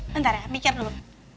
bentar ya mikir dulu